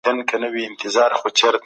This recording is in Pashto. بخښنه کول تر غچ اخیستلو غوره ده.